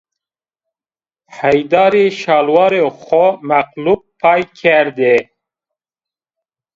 Haydarî şelwarê xo meqlub pay kerdê